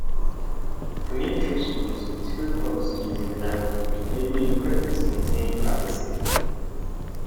Communication between two hosts using a network may be encrypted to maintain privacy.